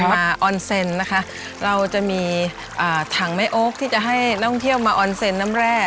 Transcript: มาออนเซ็นนะคะเราจะมีถังแม่โอ๊คที่จะให้นักท่องเที่ยวมาออนเซ็นน้ำแร่